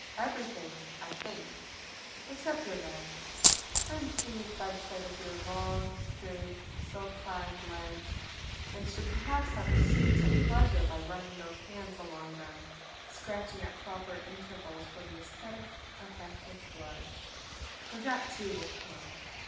Everything, I think, except your legs; I am pleased by the sight of long, straight, silk clad legs, and should perhaps have received some pleasure by running these hands along them scratching at proper intervals for the aesthetic effect of blood. But that too will come."